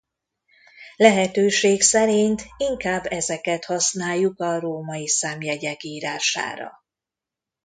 Lehetőség szerint inkább ezeket használjuk a római számjegyek írására.